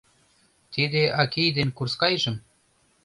Тиде акий ден курскайжым